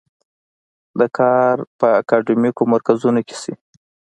دا کار په اکاډیمیکو مرکزونو کې شي.